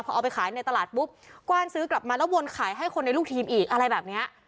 พอเอาไปขายในตลาดปุ๊บกว้านซื้อกลับมาแล้ววนขายให้คนในลูกทีมอีกอะไรแบบนี้